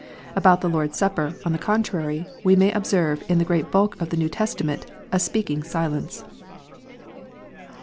About the Lord s Supper, on the contrary, we may observe in the great bulk of the JS T ew Testament a speaking silence.